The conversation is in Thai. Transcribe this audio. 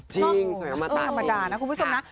จริงตายังผ่องธรรมดานะคุณผู้ชมนะ